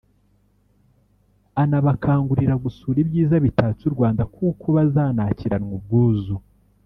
anabakangurira gusura ibyiza bitatse u Rwanda kuko bazanakiranwa ubwuzu